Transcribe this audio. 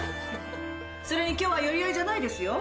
それに今日は寄り合いじゃないですよ。